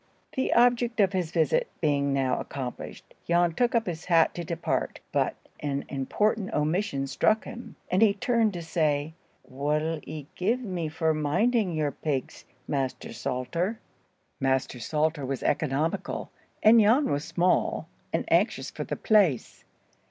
The object of his visit being now accomplished, Jan took up his hat to depart, but an important omission struck him, and he turned to say, "What'll 'ee give me for minding your pigs, Master Salter?" Master Salter was economical, and Jan was small, and anxious for the place.